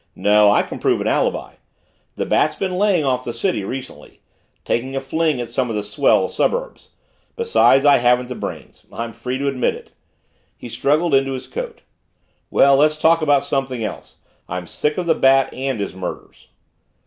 No, I can prove an alibi. The Bat's been laying off the city recently taking a fling at some of the swell suburbs. Besides I haven't the brains I'm free to admit it." He struggled into his coat. "Well, let's talk about something else. I'm sick of the Bat and his murders."